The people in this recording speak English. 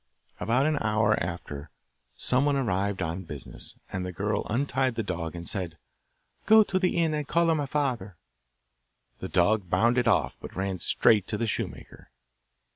About an hour after some one arrived on business, and the girl untied the dog and said, 'Go to the inn and call my father!' The dog bounded off, but ran straight to the shoemaker.